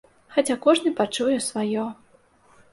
Хаця кожны пачуе сваё.